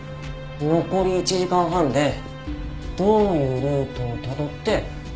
残り１時間半でどういうルートをたどって。